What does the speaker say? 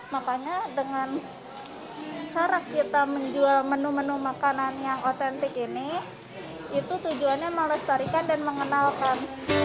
makanya dengan cara kita menjual menu menu makanan yang otentik ini itu tujuannya melestarikan dan mengenalkan